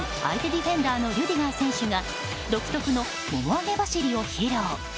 ディフェンダーのリュディガー選手が独特のもも上げ走りを披露。